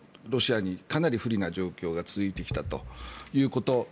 ロシアにかなり不利な状況が続いてきたということ